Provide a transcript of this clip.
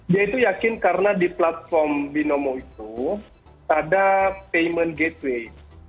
dia itu yakin karena di platform binomo itu ada payment gateway